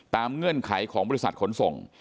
เงื่อนไขของบริษัทขนส่ง